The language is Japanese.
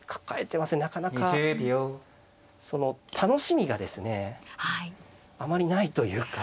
なかなか楽しみがですねあまりないというか。